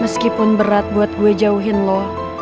meskipun berat buat gue jauhin loh